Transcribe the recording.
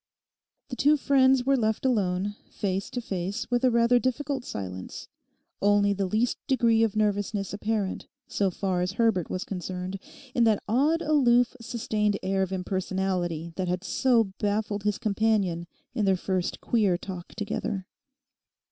The two friends were left alone, face to face with a rather difficult silence, only the least degree of nervousness apparent, so far as Herbert was concerned, in that odd aloof sustained air of impersonality that had so baffled his companion in their first queer talk together.